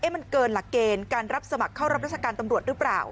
มันเกินหลักเกณฑ์การรับสมัครเข้ารับราชการตำรวจหรือเปล่า